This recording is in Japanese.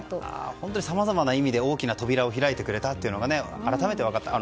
本当にさまざまな意味で大きな扉を開いてくれたのが改めて、分かりました。